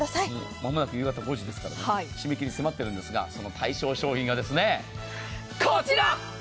間もなく夕方５時ですから、締め切り迫っているんですが、その対象商品がこちら！